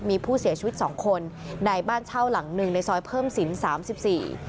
มีผู้เสียชีวิตสองคนในบ้านเช่าหลังหนึ่งในซอยเพิ่มสินสามสิบสี่